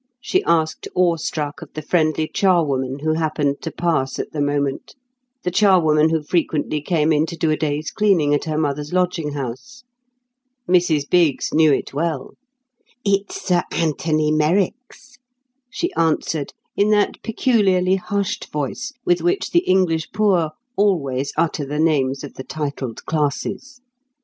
she asked awe struck of the friendly charwoman, who happened to pass at the moment—the charwoman who frequently came in to do a day's cleaning at her mother's lodging house. Mrs Biggs knew it well; "It's Sir Anthony Merrick's," she answered in that peculiarly hushed voice with which the English poor always utter the names of the titled classes.